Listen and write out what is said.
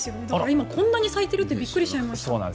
だからこんなに咲いてるってびっくりしちゃいました。